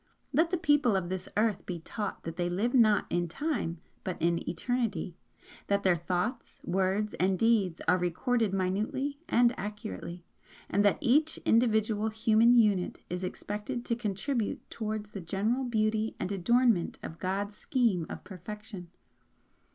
Let the people of this Earth be taught that they live not in Time but Eternity, that their thoughts, words and deeds are recorded minutely and accurately and that each individual human unit is expected to contribute towards the general beauty and adornment of God's scheme of Perfection.